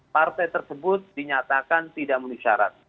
partai tersebut dinyatakan tidak menisyarat